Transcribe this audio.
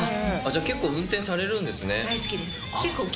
じゃあ結構、運転されるんで大好きです。